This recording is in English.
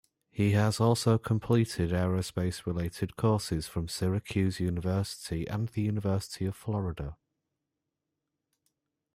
Has also completed aerospace related courses from Syracuse University and the University of Florida.